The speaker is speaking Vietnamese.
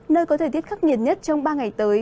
nơi có thời tiết khắc nghiệt nhất trong ba ngày tới